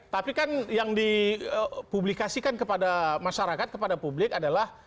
tapi kan yang dipublikasikan kepada masyarakat kepada publik adalah